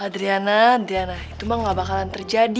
adriana diana itu mah gak bakalan terjadi